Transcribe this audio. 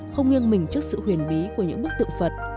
không nghiêng mình trước sự huyền bí của những bức tượng phật